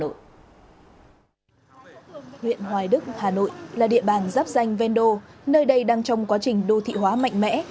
huyện hoài đức hà nội là địa bàn giáp danh vendo nơi đây đang trong quá trình đô thị hóa mạnh mẽ